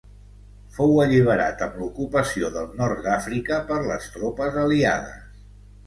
Fou alliberat amb l'ocupació del nord d'Àfrica per les tropes aliades.